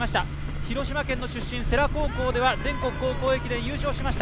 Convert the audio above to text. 広島県の出身世羅高校では全国高校駅伝優勝しました。